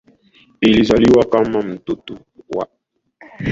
Alizaliwa kama mtoto wa pili wa mlowezi Augustine Washington